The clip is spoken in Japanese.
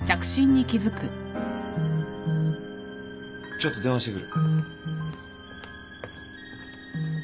ちょっと電話してくる。